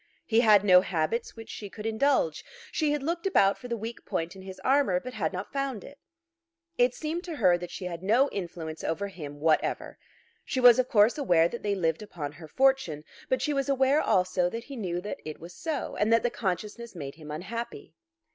He had no habits which she could indulge. She had looked about for the weak point in his armour, but had not found it. It seemed to her that she had no influence over him whatever. She was of course aware that they lived upon her fortune; but she was aware also that he knew that it was so, and that the consciousness made him unhappy.